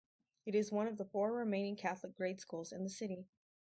It is one of the four remaining Catholic grade schools in the city.